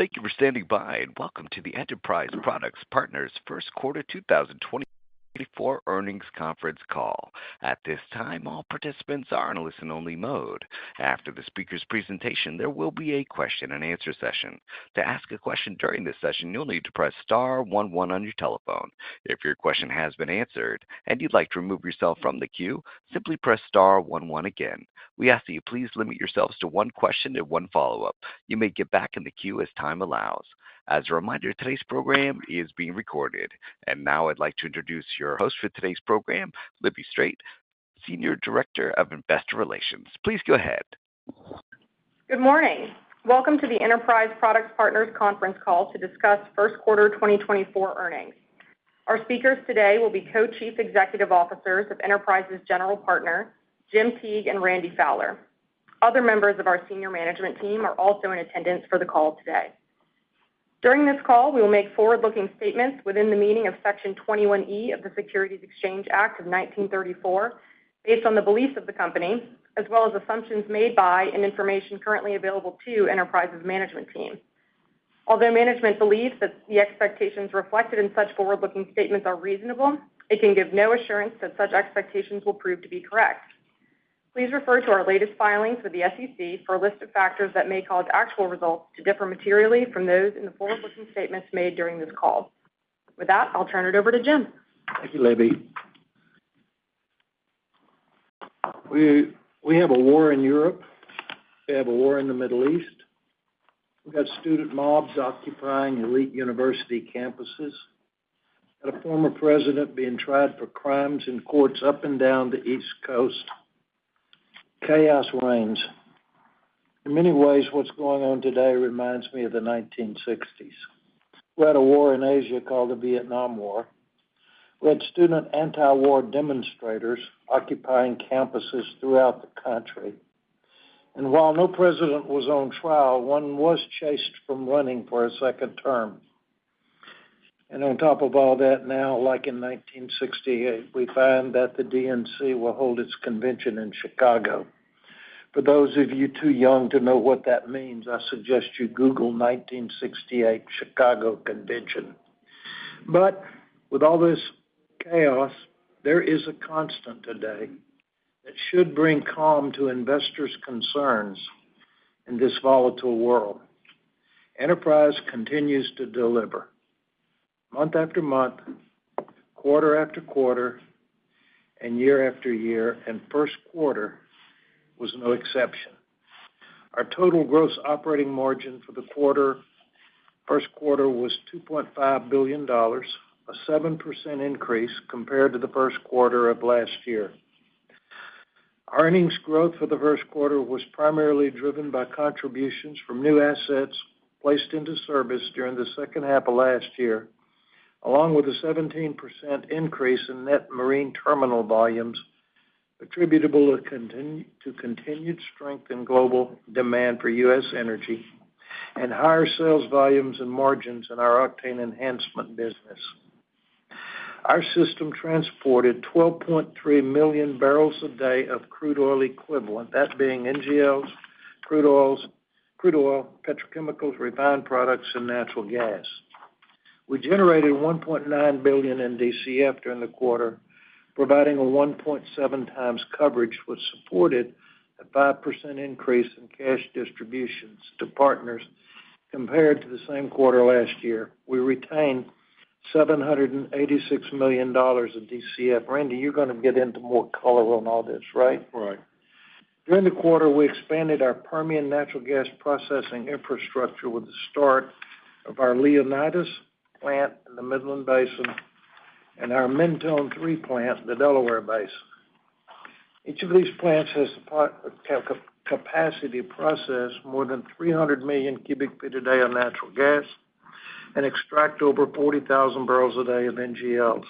Thank you for standing by, and welcome to the Enterprise Products Partners first quarter 2024 earnings conference call. At this time, all participants are in a listen-only mode. After the speaker's presentation, there will be a question-and-answer session. To ask a question during this session, you'll need to press star one one on your telephone. If your question has been answered and you'd like to remove yourself from the queue, simply press star one one again. We ask that you please limit yourselves to one question and one follow-up. You may get back in the queue as time allows. As a reminder, today's program is being recorded. And now I'd like to introduce your host for today's program, Libby Strait, Senior Director of Investor Relations. Please go ahead. Good morning. Welcome to the Enterprise Products Partners conference call to discuss first quarter 2024 earnings. Our speakers today will be Co-Chief Executive Officers of Enterprise's General Partner, Jim Teague and Randy Fowler. Other members of our senior management team are also in attendance for the call today. During this call, we will make forward-looking statements within the meaning of Section 21E of the Securities Exchange Act of 1934, based on the beliefs of the company, as well as assumptions made by and information currently available to Enterprise's management team. Although management believes that the expectations reflected in such forward-looking statements are reasonable, it can give no assurance that such expectations will prove to be correct. Please refer to our latest filings with the SEC for a list of factors that may cause actual results to differ materially from those in the forward-looking statements made during this call. With that, I'll turn it over to Jim. Thank you, Libby. We have a war in Europe. We have a war in the Middle East. We've got student mobs occupying elite university campuses, and a former president being tried for crimes in courts up and down the East Coast. Chaos reigns. In many ways, what's going on today reminds me of the 1960s. We had a war in Asia called the Vietnam War. We had student anti-war demonstrators occupying campuses throughout the country. And while no president was on trial, one was chased from running for a second term. And on top of all that, now, like in 1968, we find that the DNC will hold its convention in Chicago. For those of you too young to know what that means, I suggest you Google 1968 Chicago Convention. But with all this chaos, there is a constant today that should bring calm to investors' concerns in this volatile world. Enterprise continues to deliver month after month, quarter after quarter, and year after year, and first quarter was no exception. Our total gross operating margin for the first quarter was $2.5 billion, a 7% increase compared to the first quarter of last year. Our earnings growth for the first quarter was primarily driven by contributions from new assets placed into service during the second half of last year, along with a 17% increase in net marine terminal volumes, attributable to continued strength in global demand for U.S. energy and higher sales volumes and margins in our octane enhancement business. Our system transported 12.3 million barrels a day of crude oil equivalent, that being NGLs, crude oils, crude oil, petrochemicals, refined products, and natural gas. We generated $1.9 billion in DCF during the quarter, providing a 1.7 times coverage, which supported a 5% increase in cash distributions to partners compared to the same quarter last year. We retained $786 million of DCF. Randy, you're gonna get into more color on all this, right? Right. During the quarter, we expanded our Permian natural gas processing infrastructure with the start of our Leonotis plant in the Midland Basin and our Mentone 3 plant in the Delaware Basin. Each of these plants has the capacity to process more than 300 million cubic feet a day of natural gas and extract over 40,000 barrels a day of NGLs.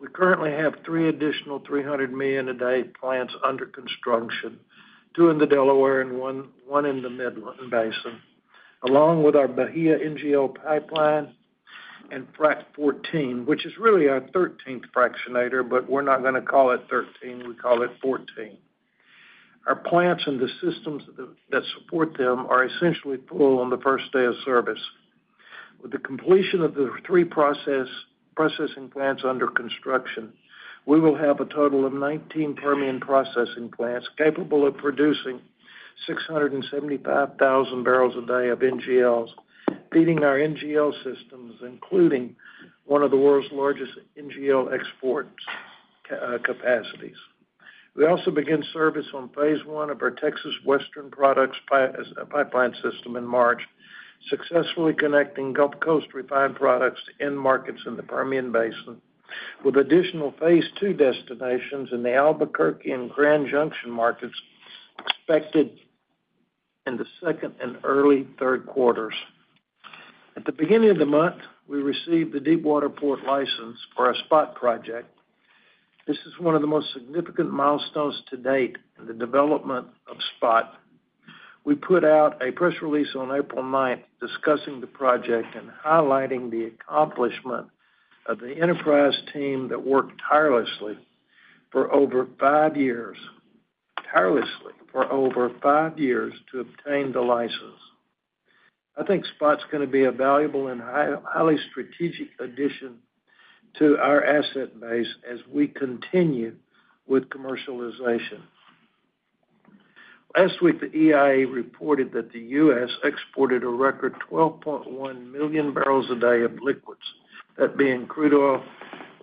We currently have three additional 300 million a day plants under construction, two in the Delaware and one in the Midland Basin, along with our Bahia NGL Pipeline and Frac 14, which is really our 13th fractionator, but we're not going to call it 13, we call it 14. Our plants and the systems that support them are essentially full on the first day of service. With the completion of the three processing plants under construction, we will have a total of 19 Permian processing plants capable of producing 675,000 barrels a day of NGLs, feeding our NGL systems, including one of the world's largest NGL export capacities. We also began service on phase one of our Texas Western Products Pipeline system in March, successfully connecting Gulf Coast refined products to end markets in the Permian Basin, with additional phase two destinations in the Albuquerque and Grand Junction markets expected in the second and early third quarters. At the beginning of the month, we received the Deepwater Port license for our SPOT project. This is one of the most significant milestones to date in the development of SPOT. We put out a press release on April ninth, discussing the project and highlighting the accomplishment of the Enterprise team that worked tirelessly for over five years to obtain the license. I think SPOT's gonna be a valuable and highly strategic addition to our asset base as we continue with commercialization. Last week, the EIA reported that the U.S. exported a record 12.1 million barrels a day of liquids, that being crude oil,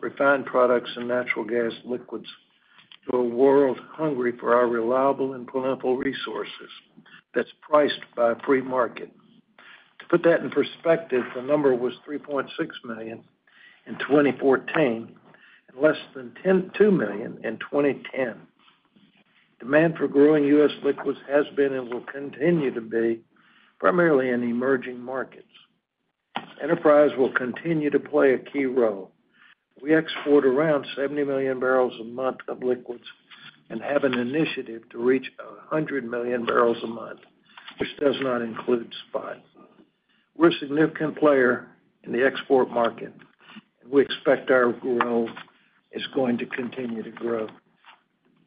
refined products, and natural gas liquids, to a world hungry for our reliable and plentiful resources that's priced by a free market. To put that in perspective, the number was 3.6 million in 2014, and less than two million in 2010. Demand for growing U.S. liquids has been and will continue to be primarily in emerging markets. Enterprise will continue to play a key role. We export around 70 million barrels a month of liquids and have an initiative to reach 100 million barrels a month, which does not include SPOT. We're a significant player in the export market. We expect our growth is going to continue to grow.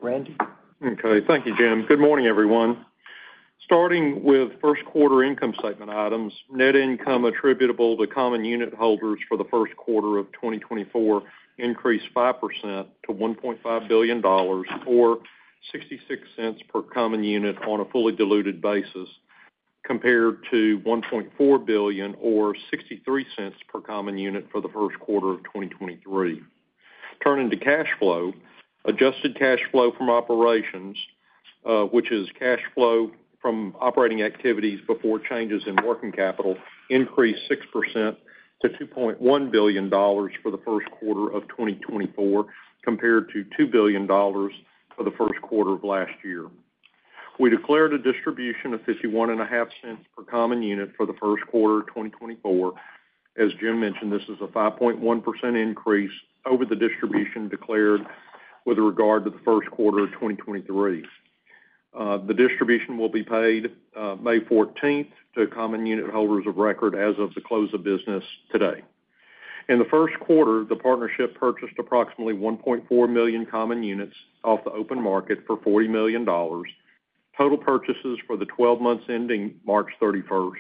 Randy? Okay. Thank you, Jim. Good morning, everyone. Starting with first quarter income statement items, net income attributable to common unit holders for the first quarter of 2024 increased 5% to $1.5 billion, or $0.66 per common unit on a fully diluted basis, compared to $1.4 billion or $0.63 per common unit for the first quarter of 2023. Turning to cash flow, adjusted cash flow from operations, which is cash flow from operating activities before changes in working capital, increased 6% to $2.1 billion for the first quarter of 2024, compared to $2 billion for the first quarter of last year. We declared a distribution of $0.515 per common unit for the first quarter of 2024. As Jim mentioned, this is a 5.1% increase over the distribution declared with regard to the first quarter of 2023. The distribution will be paid May 14 to common unit holders of record as of the close of business today. In the first quarter, the partnership purchased approximately 1.4 million common units off the open market for $40 million. Total purchases for the 12 months ending March 31st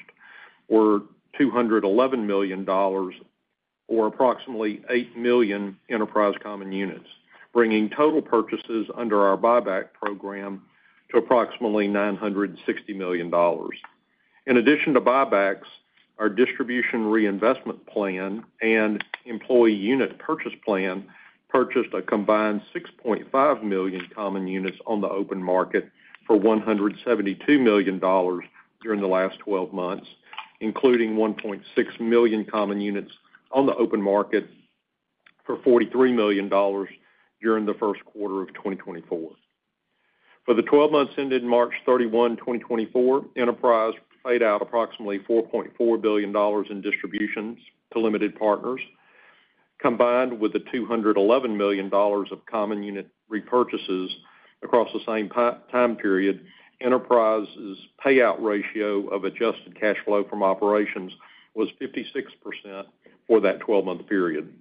were $211 million or approximately eight million Enterprise common units, bringing total purchases under our buyback program to approximately $960 million. In addition to buybacks, our distribution reinvestment plan and employee unit purchase plan purchased a combined 6.5 million common units on the open market for $172 million during the last twelve months, including 1.6 million common units on the open market for $43 million during the first quarter of 2024. For the twelve months ended March 31, 2024, Enterprise paid out approximately $4.4 billion in distributions to limited partners, combined with the $211 million of common unit repurchases across the same time period, Enterprise's payout ratio of adjusted cash flow from operations was 56% for that twelve-month period.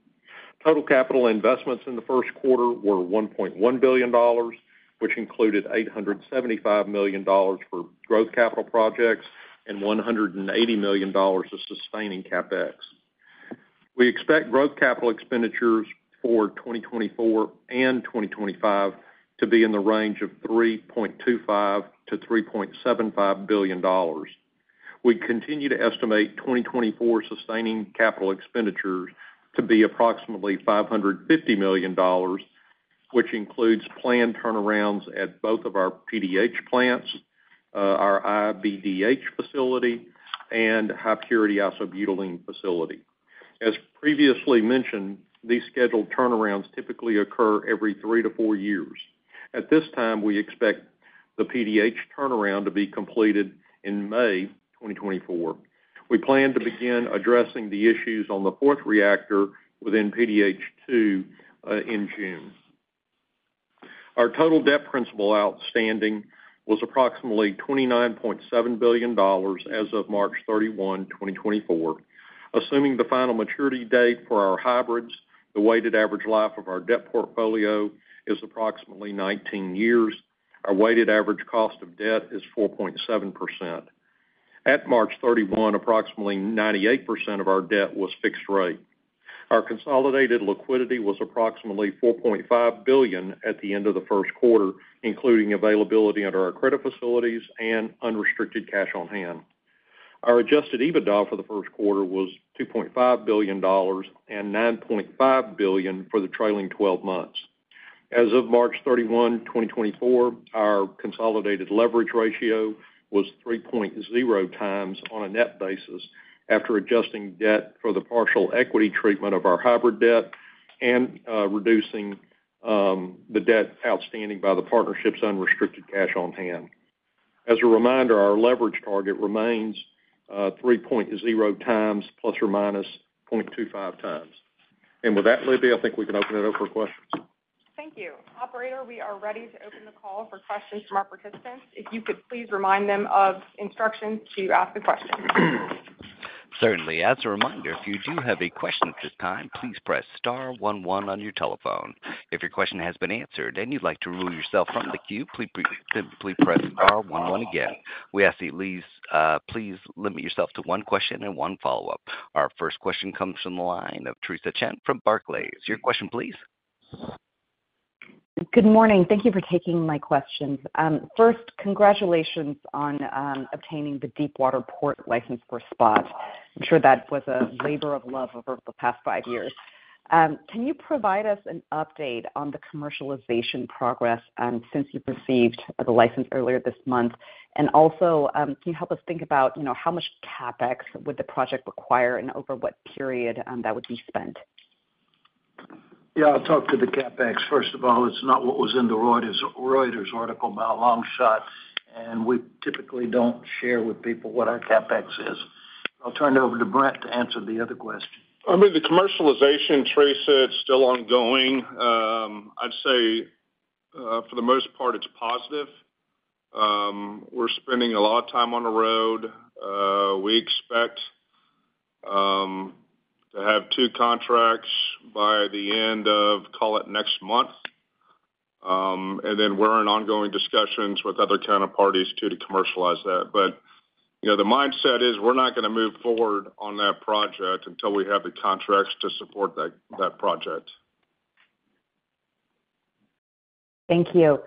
Total capital investments in the first quarter were $1.1 billion, which included $875 million for growth capital projects and $180 million of sustaining CapEx. We expect growth capital expenditures for 2024 and 2025 to be in the range of $3.25 billion-$3.75 billion. We continue to estimate 2024 sustaining capital expenditures to be approximately $550 million, which includes planned turnarounds at both of our PDH plants, our IBDH facility, and high purity isobutylene facility. As previously mentioned, these scheduled turnarounds typically occur every three to four years. At this time, we expect the PDH turnaround to be completed in May 2024. We plan to begin addressing the issues on the fourth reactor within PDH-2, in June. Our total debt principal outstanding was approximately $29.7 billion as of March 31, 2024. Assuming the final maturity date for our hybrids, the weighted average life of our debt portfolio is approximately 19 years. Our weighted average cost of debt is 4.7%. At March 31, approximately 98% of our debt was fixed rate. Our consolidated liquidity was approximately $4.5 billion at the end of the first quarter, including availability under our credit facilities and unrestricted cash on hand. Our adjusted EBITDA for the first quarter was $2.5 billion and $9.5 billion for the trailing twelve months. As of March 31, 2024, our consolidated leverage ratio was 3.0 times on a net basis, after adjusting debt for the partial equity treatment of our hybrid debt and, reducing, the debt outstanding by the partnership's unrestricted cash on hand. As a reminder, our leverage target remains, 3.0 times ±0.25 times. And with that, Libby, I think we can open it up for questions. Thank you. Operator, we are ready to open the call for questions from our participants. If you could please remind them of instructions to ask a question. ...Certainly. As a reminder, if you do have a question at this time, please press star one one on your telephone. If your question has been answered, and you'd like to remove yourself from the queue, please, please simply press star one one again. We ask you please, please limit yourself to one question and one follow-up. Our first question comes from the line of Theresa Chen from Barclays. Your question, please. Good morning. Thank you for taking my questions. First, congratulations on obtaining the deepwater port license for Spot. I'm sure that was a labor of love over the past five years. Can you provide us an update on the commercialization progress since you received the license earlier this month? And also, can you help us think about, you know, how much CapEx would the project require and over what period that would be spent? Yeah, I'll talk to the CapEx. First of all, it's not what was in the Reuters, Reuters article, by a long shot, and we typically don't share with people what our CapEx is. I'll turn it over to Brent to answer the other question. I mean, the commercialization, Theresa, it's still ongoing. I'd say, for the most part, it's positive. We're spending a lot of time on the road. We expect to have two contracts by the end of, call it, next month. And then we're in ongoing discussions with other counterparties, too, to commercialize that. But, you know, the mindset is we're not going to move forward on that project until we have the contracts to support that, that project. Thank you.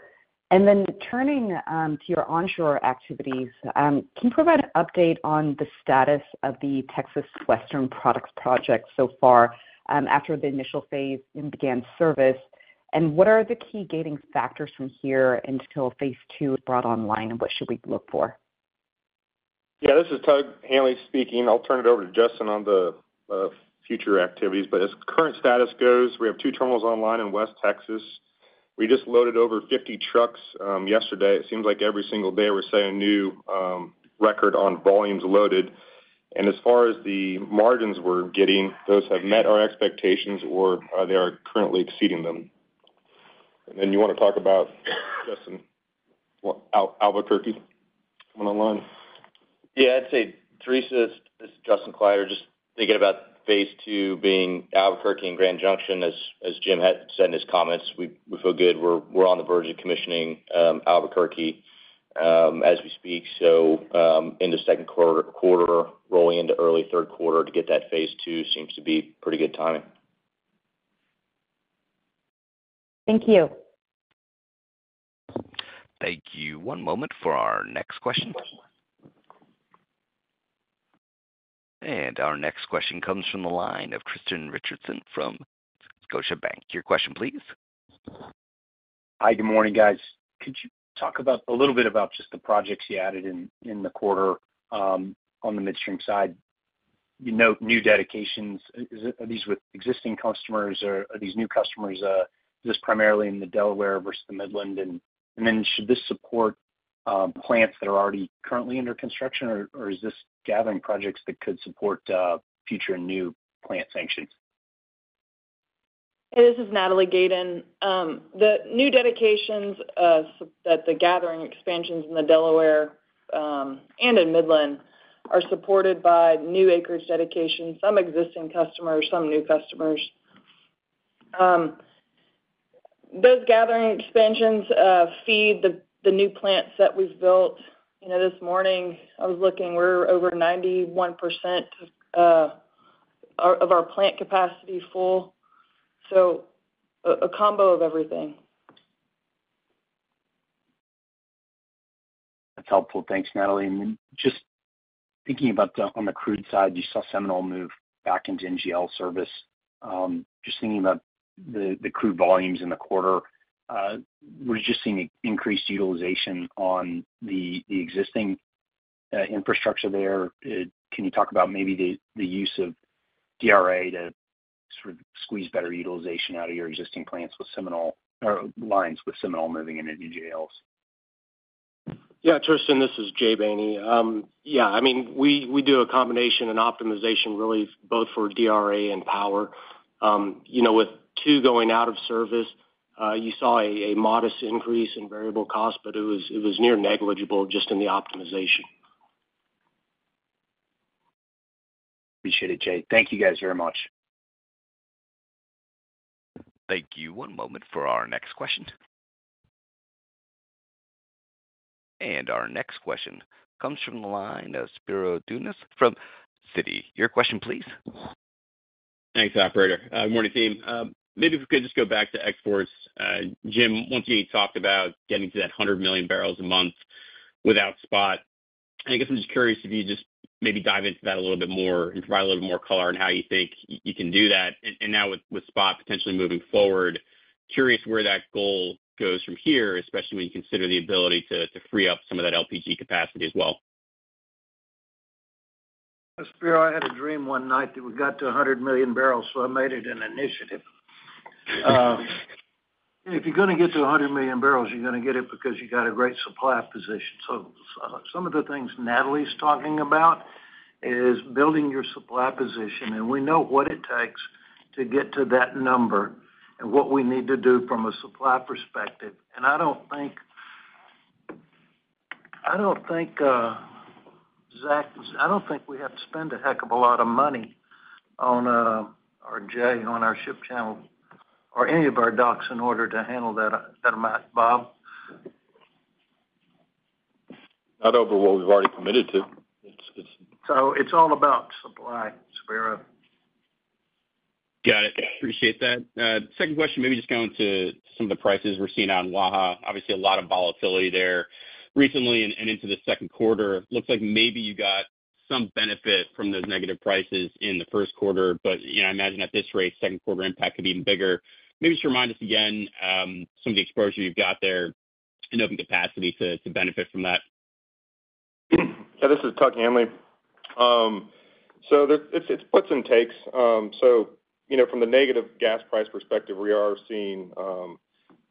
And then turning to your onshore activities, can you provide an update on the status of the Texas Western Products project so far, after the initial phase and began service? And what are the key gating factors from here until phase two is brought online, and what should we look for? Yeah, this is Tug Hanley speaking. I'll turn it over to Justin on the future activities. But as current status goes, we have two terminals online in West Texas. We just loaded over 50 trucks yesterday. It seems like every single day we're setting a new record on volumes loaded. And as far as the margins we're getting, those have met our expectations, or they are currently exceeding them. And then you want to talk about, Justin, Albuquerque coming online? Yeah, I'd say, Theresa, this is Justin Kleiderer. Just thinking about phase two being Albuquerque and Grand Junction, as Jim had said in his comments, we feel good. We're on the verge of commissioning Albuquerque, as we speak. So, in the second quarter, rolling into early third quarter to get that phase two seems to be pretty good timing. Thank you. Thank you. One moment for our next question. Our next question comes from the line of Tristan Richardson from Scotiabank. Your question, please. Hi, good morning, guys. Could you talk about a little bit about just the projects you added in, in the quarter, on the midstream side? You note new dedications. Are these with existing customers, or are these new customers, just primarily in the Delaware versus the Midland? And then should this support plants that are already currently under construction, or is this gathering projects that could support future new plant sanctions? This is Natalie Gayden. The new dedications, so that the gathering expansions in the Delaware and in Midland are supported by new acreage dedication, some existing customers, some new customers. Those gathering expansions feed the new plants that we've built. You know, this morning, I was looking, we're over 91% of our plant capacity full. So a combo of everything. That's helpful. Thanks, Natalie. And then just thinking about the, on the crude side, you saw Seminole move back into NGL service. Just thinking about the crude volumes in the quarter, we're just seeing increased utilization on the existing infrastructure there. Can you talk about maybe the use of DRA to sort of squeeze better utilization out of your existing plants with Seminole, or lines with Seminole moving into NGLs? Yeah, Tristan, this is Jay Bany. Yeah, I mean, we do a combination and optimization really both for DRA and power. You know, with two going out of service, you saw a modest increase in variable cost, but it was near negligible just in the optimization. Appreciate it, Jay. Thank you, guys, very much. Thank you. One moment for our next question. Our next question comes from the line of Spiro Dounis from Citi. Your question, please. Thanks, operator. Good morning, team. Maybe if we could just go back to exports. Jim, once you talked about getting to that 100 million barrels a month without spot. I guess I'm just curious if you just maybe dive into that a little bit more and provide a little more color on how you think you can do that. And now with spot potentially moving forward, curious where that goal goes from here, especially when you consider the ability to free up some of that LPG capacity as well. Spiro, I had a dream one night that we got to 100 million barrels, so I made it an initiative. If you're going to get to 100 million barrels, you're going to get it because you got a great supply position. So some of the things Natalie's talking about is building your supply position, and we know what it takes to get to that number and what we need to do from a supply perspective. And I don't think-... I don't think, Zach, I don't think we have to spend a heck of a lot of money on our J, on our ship channel or any of our docks in order to handle that amount, Tug? Not over what we've already committed to. It's, it's- So it's all about supply, so we're Got it. Appreciate that. Second question, maybe just going to some of the prices we're seeing on Waha. Obviously, a lot of volatility there recently and into the second quarter. Looks like maybe you got some benefit from those negative prices in the first quarter, but, you know, I imagine at this rate, second quarter impact could be even bigger. Maybe just remind us again, some of the exposure you've got there and opening capacity to benefit from that. Yeah, this is Tug Hanley. So, it's puts and takes. So, you know, from the negative gas price perspective, we are seeing,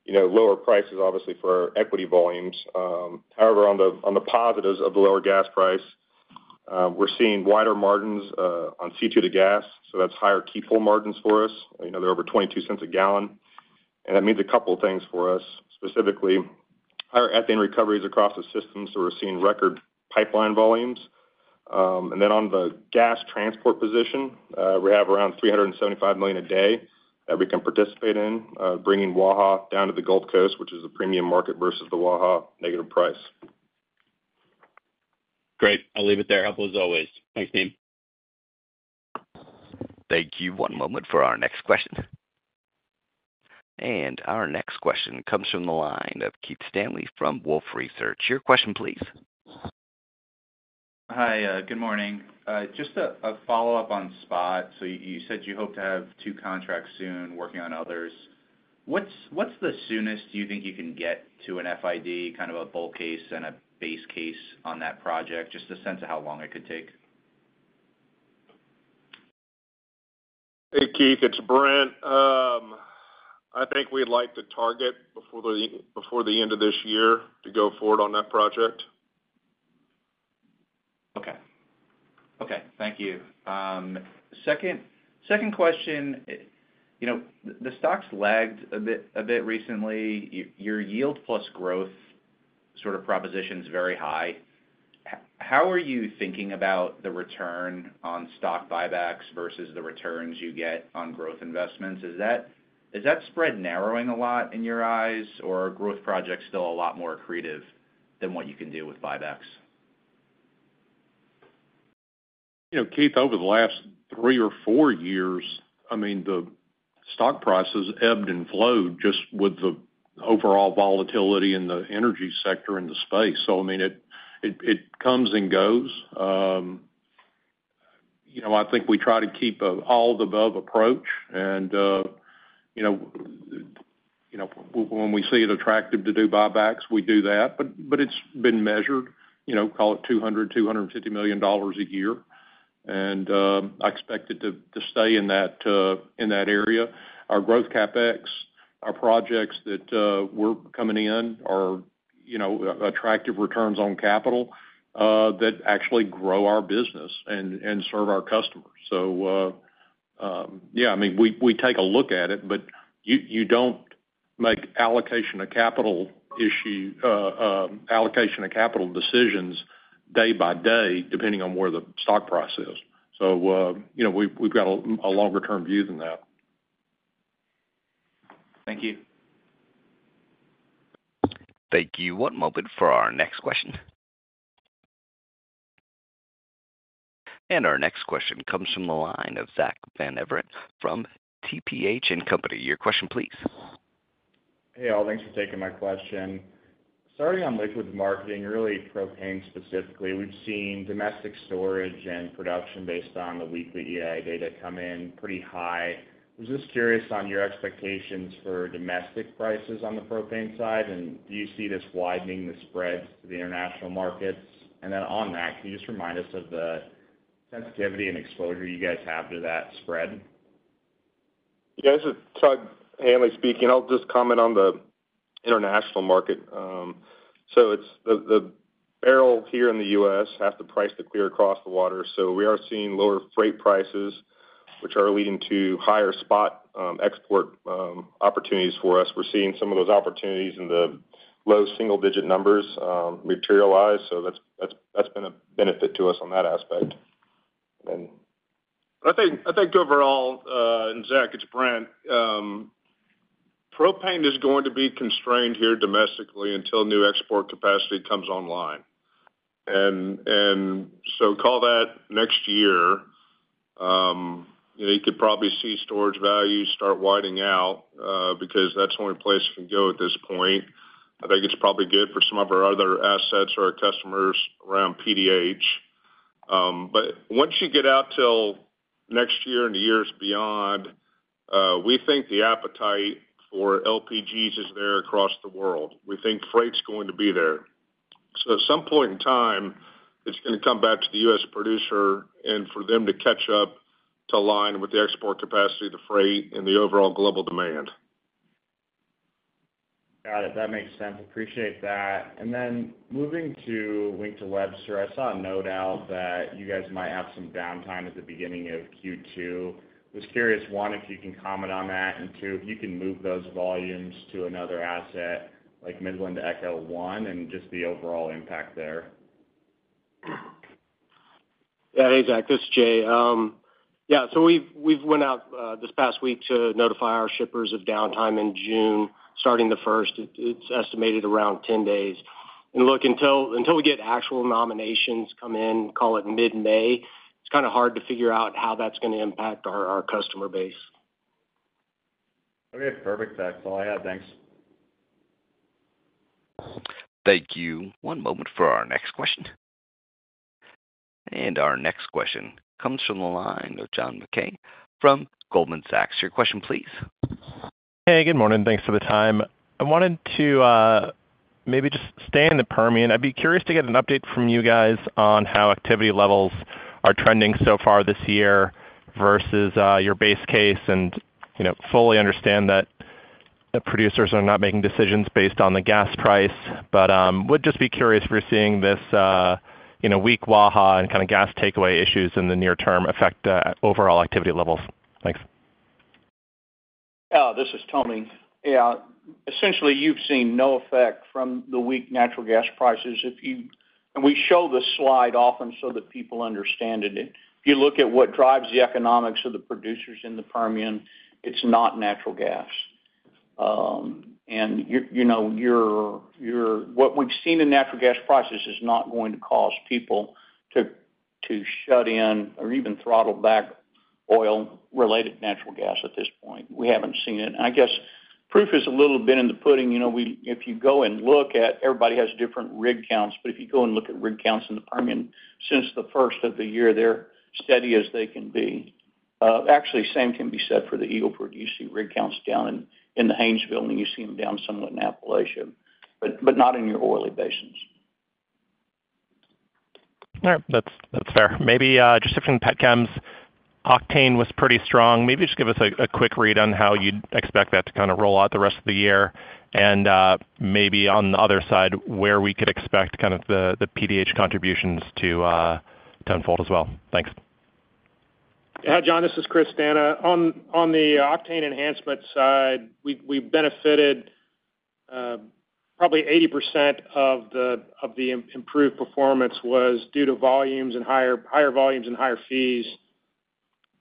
you know, lower prices, obviously, for our equity volumes. However, on the positives of the lower gas price, we're seeing wider margins on C2 to gas, so that's higher keep whole margins for us. You know, they're over $0.22 a gallon, and that means a couple of things for us, specifically, higher ethane recoveries across the system, so we're seeing record pipeline volumes. And then on the gas transport position, we have around 375 million a day that we can participate in, bringing Waha down to the Gulf Coast, which is a premium market versus the Waha negative price. Great. I'll leave it there. Helpful as always. Thanks, team. Thank you. One moment for our next question. Our next question comes from the line of Keith Stanley from Wolfe Research. Your question, please. Hi, good morning. Just a follow-up on spot. So you said you hope to have two contracts soon, working on others. What's the soonest you think you can get to an FID, kind of a bull case and a base case on that project? Just a sense of how long it could take. Hey, Keith, it's Brent. I think we'd like to target before the end of this year to go forward on that project. Okay. Okay, thank you. Second, second question, you know, the stock's lagged a bit, a bit recently. Your yield plus growth sort of proposition is very high. How are you thinking about the return on stock buybacks versus the returns you get on growth investments? Is that, is that spread narrowing a lot in your eyes, or are growth projects still a lot more accretive than what you can do with buybacks? You know, Keith, over the last three or four years, I mean, the stock prices ebbed and flowed just with the overall volatility in the energy sector and the space. So I mean, it comes and goes. You know, I think we try to keep all of the above approach, and you know, when we see it attractive to do buybacks, we do that, but it's been measured, you know, call it $200 million-$250 million a year. And I expect it to stay in that area. Our growth CapEx, our projects that we're coming in are, you know, attractive returns on capital that actually grow our business and serve our customers. So, yeah, I mean, we take a look at it, but you don't make allocation of capital decisions day by day, depending on where the stock price is. So, you know, we've got a longer-term view than that. Thank you. Thank you. One moment for our next question. Our next question comes from the line of Zack Van Everen from TPH and Company. Your question, please. Hey, all. Thanks for taking my question. Starting on liquids marketing, really propane specifically, we've seen domestic storage and production based on the weekly EIA data come in pretty high. I was just curious on your expectations for domestic prices on the propane side, and do you see this widening the spreads to the international markets? And then on that, can you just remind us of the sensitivity and exposure you guys have to that spread? Yeah, this is Tug Hanley speaking. I'll just comment on the international market. So it's the barrel here in the US has to price the clear across the water, so we are seeing lower freight prices, which are leading to higher spot export opportunities for us. We're seeing some of those opportunities in the low single digit numbers materialize, so that's, that's, that's been a benefit to us on that aspect. And- I think overall, and Zack, it's Brent. Propane is going to be constrained here domestically until new export capacity comes online. And so call that next year. You know, you could probably see storage values start widening out because that's the only place it can go at this point. I think it's probably good for some of our other assets or our customers around PDH. But once you get out till next year and the years beyond, we think the appetite for LPGs is there across the world. We think freight's going to be there. So at some point in time, it's gonna come back to the U.S. producer and for them to catch up to line with the export capacity, the freight, and the overall global demand. Got it. That makes sense. Appreciate that. And then moving to Wink to Webster, I saw a note out that you guys might have some downtime at the beginning of Q2. Was curious, one, if you can comment on that, and two, if you can move those volumes to another asset, like Midland-to-Echo One, and just the overall impact there?... Yeah. Hey, Zack, this is Jay. Yeah, so we've went out this past week to notify our shippers of downtime in June, starting the first. It's estimated around 10 days. And look, until we get actual nominations come in, call it mid-May, it's kind of hard to figure out how that's gonna impact our customer base. Okay, perfect. That's all I had. Thanks. Thank you. One moment for our next question. Our next question comes from the line of John Mackay from Goldman Sachs. Your question, please. Hey, good morning. Thanks for the time. I wanted to maybe just stay in the Permian. I'd be curious to get an update from you guys on how activity levels are trending so far this year versus your base case, and you know, fully understand that the producers are not making decisions based on the gas price. But would just be curious if we're seeing this you know, weak Waha and kind of gas takeaway issues in the near term affect overall activity levels. Thanks. This is Tony. Yeah, essentially, you've seen no effect from the weak natural gas prices. And we show this slide often so that people understand it. If you look at what drives the economics of the producers in the Permian, it's not natural gas. And what we've seen in natural gas prices is not going to cause people to shut in or even throttle back oil-related natural gas at this point. We haven't seen it. I guess proof is a little bit in the pudding. You know, everybody has different rig counts, but if you go and look at rig counts in the Permian since the first of the year, they're steady as they can be. Actually, same can be said for the Eagle Ford. You see rig counts down in the Haynesville, and you see them down somewhat in Appalachia, but not in your oily basins. All right. That's, that's fair. Maybe just shifting to pet chems, octane was pretty strong. Maybe just give us a quick read on how you'd expect that to kind of roll out the rest of the year and, maybe on the other side, where we could expect kind of the PDH contributions to unfold as well. Thanks. Yeah, John, this is Chris D'Anna. On the octane enhancement side, we've benefited, probably 80% of the improved performance was due to volumes and higher volumes and higher fees.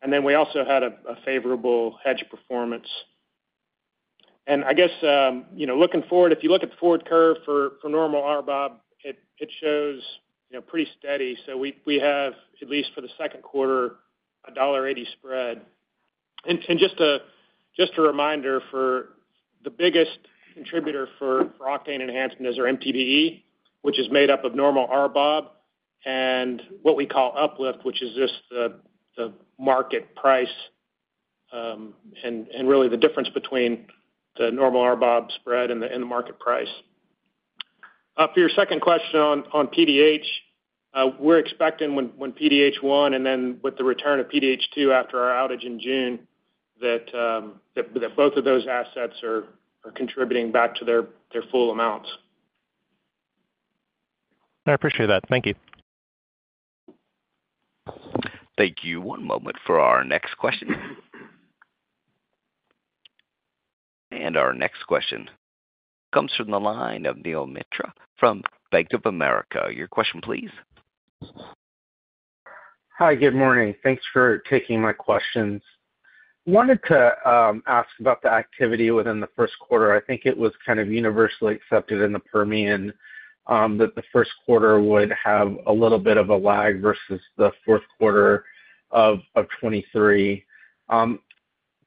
And then we also had a favorable hedge performance. And I guess, you know, looking forward, if you look at the forward curve for normal RBOB, it shows, you know, pretty steady. So we have, at least for the second quarter, a $1.80 spread. And just a reminder, the biggest contributor for octane enhancement is our MTBE, which is made up of normal RBOB and what we call uplift, which is just the market price, and really the difference between the normal RBOB spread and the market price. For your second question on PDH, we're expecting when PDH-1, and then with the return of PDH-2 after our outage in June, that both of those assets are contributing back to their full amounts. I appreciate that. Thank you. Thank you. One moment for our next question. Our next question comes from the line of Neel Mitra from Bank of America. Your question, please. Hi, good morning. Thanks for taking my questions. Wanted to ask about the activity within the first quarter. I think it was kind of universally accepted in the Permian that the first quarter would have a little bit of a lag versus the fourth quarter of 2023.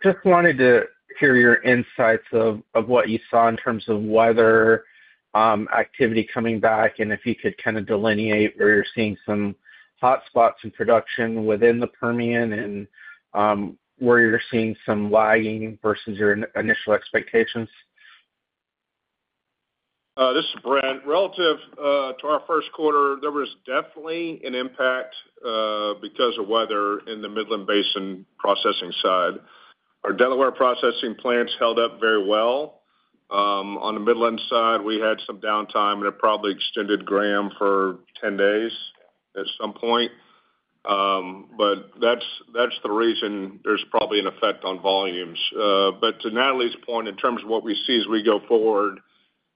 Just wanted to hear your insights of what you saw in terms of whether activity coming back, and if you could kind of delineate where you're seeing some hotspots in production within the Permian and where you're seeing some lagging versus your initial expectations. This is Brent. Relative to our first quarter, there was definitely an impact because of weather in the Midland Basin processing side. Our Delaware processing plants held up very well. On the Midland side, we had some downtime, and it probably extended Graham for 10 days at some point. But that's the reason there's probably an effect on volumes. But to Natalie's point, in terms of what we see as we go forward,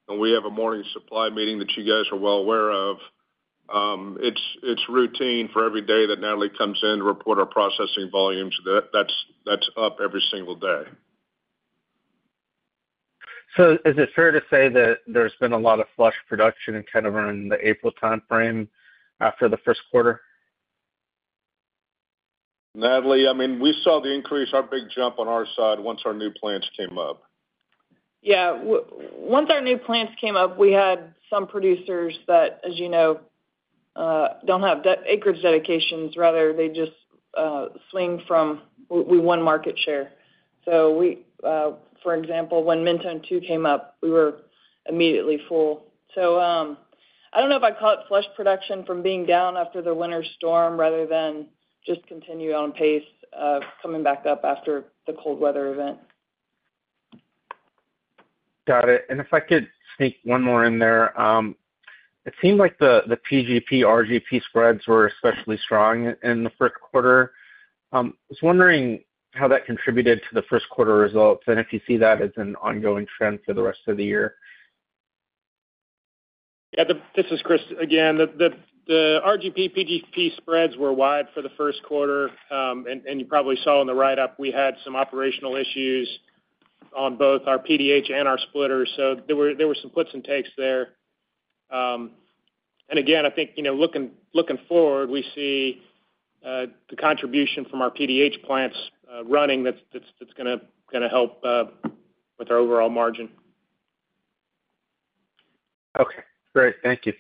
and we have a morning supply meeting that you guys are well aware of, it's routine for every day that Natalie comes in to report our processing volumes, that's up every single day. Is it fair to say that there's been a lot of flush production in kind of around the April timeframe after the first quarter? Natalie, I mean, we saw the increase, our big jump on our side once our new plants came up. Yeah. Once our new plants came up, we had some producers that, as you know, don't have dedicated acreage dedications, rather they just swing from, we won market share. So we, for example, when Mentone 2 came up, we were immediately full. So, I don't know if I'd call it flush production from being down after the winter storm rather than just continue on pace, coming back up after the cold weather event. Got it. If I could sneak one more in there. It seemed like the PGP, RGP spreads were especially strong in the first quarter. I was wondering how that contributed to the first quarter results and if you see that as an ongoing trend for the rest of the year?... Yeah, this is Chris again. The RGP, PGP spreads were wide for the first quarter, and you probably saw in the write-up, we had some operational issues on both our PDH and our splitter. So there were some puts and takes there. And again, I think, you know, looking forward, we see the contribution from our PDH plants running that's gonna help with our overall margin. Okay, great. Thank you.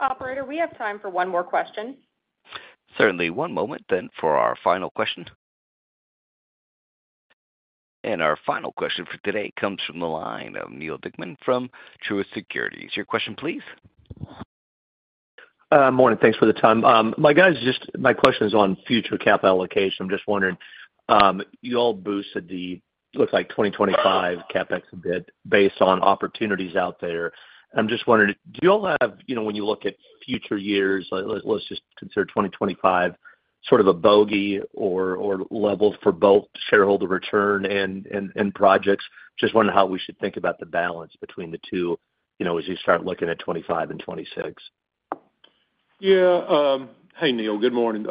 Operator, we have time for one more question. Certainly. One moment then for our final question. Our final question for today comes from the line of Neal Dingmann from Truist Securities. Your question, please? Morning. Thanks for the time. My question is on future cap allocation. I'm just wondering, you all boosted the, looks like 2025 CapEx a bit based on opportunities out there. I'm just wondering, do you all have, you know, when you look at future years, let's just consider 2025, sort of a bogey or level for both shareholder return and projects? Just wondering how we should think about the balance between the two, you know, as you start looking at 25 and 26. Yeah. Hey, Neal, good morning.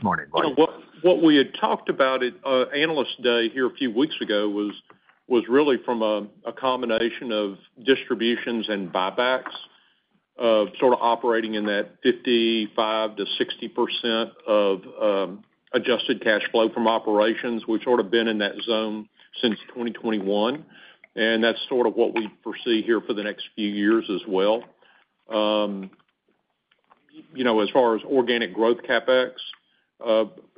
Morning. What we had talked about at Analyst Day here a few weeks ago was really from a combination of distributions and buybacks, of sort of operating in that 55%-60% of adjusted cash flow from operations. We've sort of been in that zone since 2021, and that's sort of what we foresee here for the next few years as well. You know, as far as organic growth CapEx,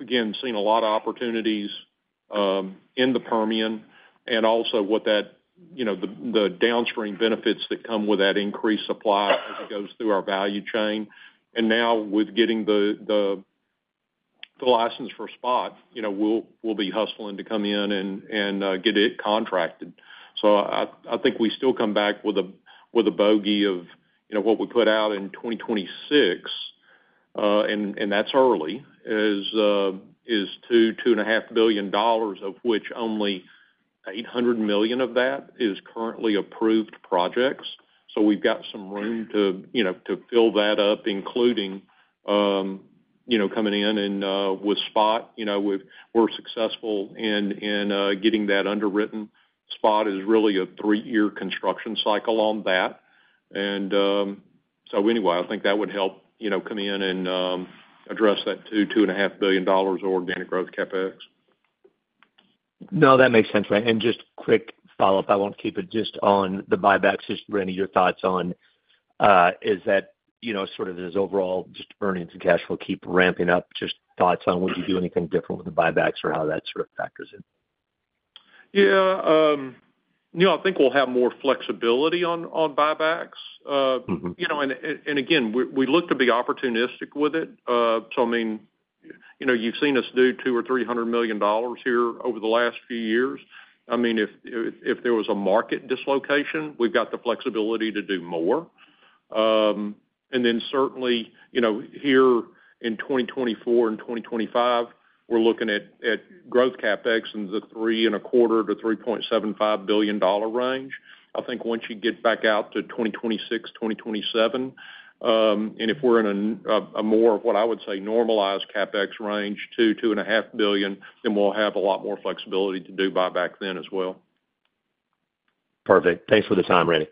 again, seeing a lot of opportunities in the Permian, and also what that you know the downstream benefits that come with that increased supply as it goes through our value chain. And now with getting the license for SPOT, you know, we'll be hustling to come in and get it contracted. So I think we still come back with a bogey of, you know, what we put out in 2026, and that's early, is $2 billion-$2.5 billion, of which only $800 million of that is currently approved projects. So we've got some room to, you know, to fill that up, including, you know, coming in and with SPOT, you know, we're successful in getting that underwritten. SPOT is really a three-year construction cycle on that. And so anyway, I think that would help, you know, come in and address that $2 billion-$2.5 billion organic growth CapEx. No, that makes sense. Right. Just quick follow-up, I want to keep it just on the buybacks. Just, Randy, your thoughts on, is that, you know, sort of as overall, just earnings and cash will keep ramping up. Just thoughts on, would you do anything different with the buybacks or how that sort of factors in? Yeah, Neal, I think we'll have more flexibility on buybacks. Mm-hmm. - You know, and again, we look to be opportunistic with it. So I mean, you know, you've seen us do $200 million-$300 million here over the last few years. I mean, if there was a market dislocation, we've got the flexibility to do more. And then certainly, you know, here in 2024 and 2025, we're looking at growth CapEx in the $3.25 billion-$3.75 billion range. I think once you get back out to 2026, 2027, and if we're in a more, what I would say, normalized CapEx range, $2 billion-$2.5 billion, then we'll have a lot more flexibility to do buyback then as well. Perfect. Thanks for the time, Randy.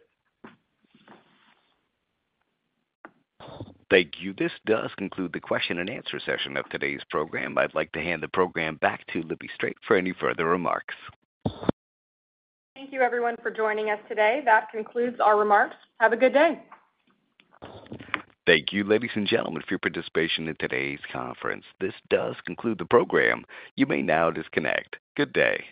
Thank you. This does conclude the question and answer session of today's program. I'd like to hand the program back to Libby Strait for any further remarks. Thank you, everyone, for joining us today. That concludes our remarks. Have a good day. Thank you, ladies and gentlemen, for your participation in today's conference. This does conclude the program. You may now disconnect. Good day.